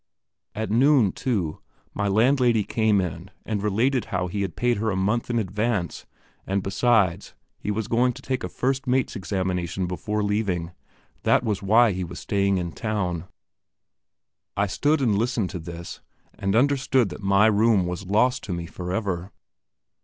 At noon, too, my landlady came in and related how he had paid her a month in advance, and besides, he was going to take his first mate's examination before leaving, that was why he was staying in town. I stood and listened to this, and understood that my room was lost to me for ever.